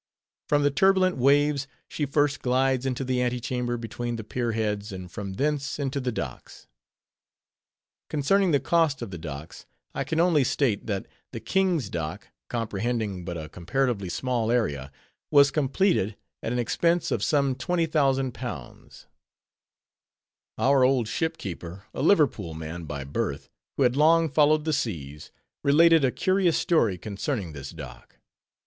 From the turbulent waves, she first glides into the ante chamber between the pier heads and from thence into the docks. Concerning the cost of the docks, I can only state, that the King's Dock, comprehending but a comparatively small area, was completed at an expense of some £20,000. Our old ship keeper, a Liverpool man by birth, who had long followed the seas, related a curious story concerning this dock.